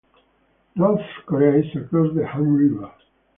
North Korea is across the Han River.